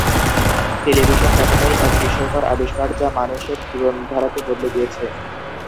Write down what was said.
Television তেমনই এক বিস্ময়কর আবিষ্কার, যা মানুষের জীবনধারাকে বদলে দিয়েছে।